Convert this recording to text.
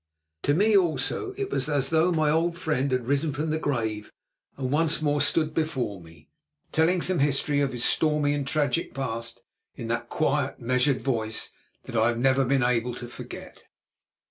To me also it was as though my old friend had risen from the grave and once more stood before me, telling some history of his stormy and tragic past in that quiet, measured voice that I have never been able to forget.